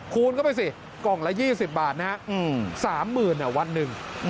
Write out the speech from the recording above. คูณเข้าไปสิกล่องละ๒๐บาทนะฮะ๓๐๐๐วันหนึ่ง